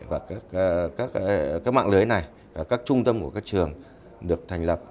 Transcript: và các mạng lưới này các trung tâm của các trường được thành lập